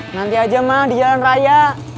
nanti aja mah di jalan raya